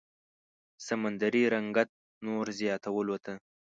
سمندري رنګت نور زياتولو ته